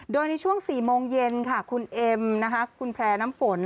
โดยในช่วง๔โมงเย็นค่ะคุณเอ็มคุณแพร่น้ำฝน